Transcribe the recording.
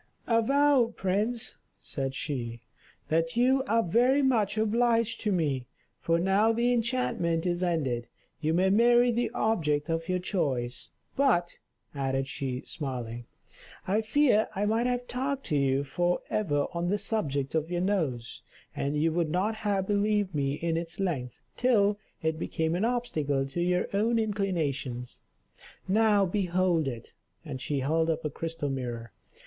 "Avow, prince," said she, "that you are very much obliged to me, for now the enchantment is ended. You may marry the object of your choice. But," added she, smiling, "I fear I might have talked to you for ever on the subject of your nose, and you would not have believed me in its length, till it became an obstacle to your own inclinations. Now behold it!" and she held up a crystal mirror.